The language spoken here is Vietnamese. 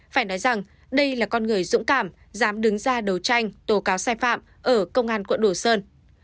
phải nói rằng đây là con người dũng cảm dám đứng ra đấu tranh tố cáo sai phạm ở công an quận đồ sơn